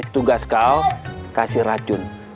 tugas kau kasih racun